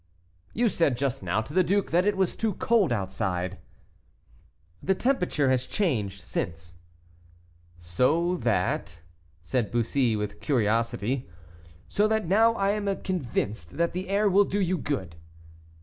"You said just now to the duke that it was too cold outside." "The temperature has changed since." "So that " said Bussy, with curiosity. "So that now I am convinced that the air will do you good."